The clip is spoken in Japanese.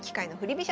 飛車